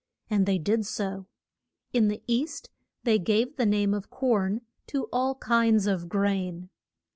And they did so. In the East they gave the name of corn to all kinds of grain.